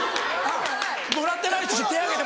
もらってないって人手挙げて。